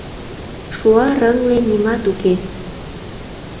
Шуа рыҥле нимат уке.